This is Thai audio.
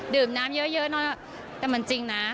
ดื่มน้ำเยอะเนอะแต่มันจริงนะ